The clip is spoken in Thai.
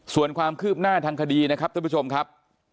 ส่วนความคืบหน้าทางคดีนะครับท่านผู้ชมครับ